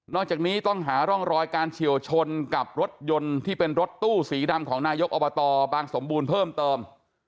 จากนี้ต้องหาร่องรอยการเฉียวชนกับรถยนต์ที่เป็นรถตู้สีดำของนายกอบตบางสมบูรณ์เพิ่มเติม